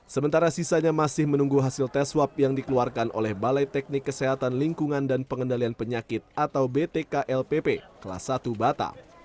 sementara sisanya masih menunggu hasil tes swab yang dikeluarkan oleh balai teknik kesehatan lingkungan dan pengendalian penyakit atau btklpp kelas satu batam